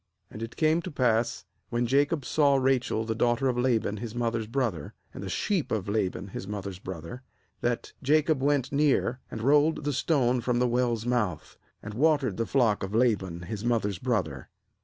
10And it came to pass, when Jacob saw Rachel the daughter of Laban his mother's brother, and the sheep of Laban his mother's brother, that Jacob went near, and rolled the stone from the well's mouth, and watered the flock of Laban his mother's brother.